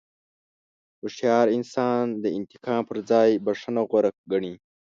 هوښیار انسان د انتقام پر ځای بښنه غوره ګڼي.